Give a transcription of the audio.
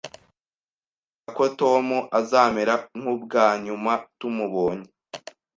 Ndakeka ko Tom azamera nkubwa nyuma tumubonye